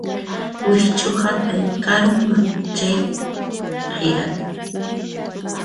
Wikch'uhatay karuman chay k'ayrata